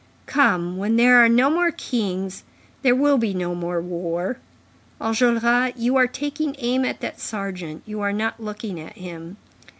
Come, when there are no more kings, there will be no more war. Enjolras, you are taking aim at that sergeant, you are not looking at him.